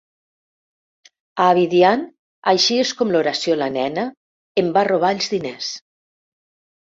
A Abidjan, així és com l'oració La nena em va robar els diners.